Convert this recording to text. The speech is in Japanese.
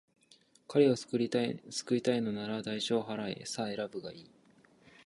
彼を救いたいのなら、代償を払え。さあ、選ぶがいい。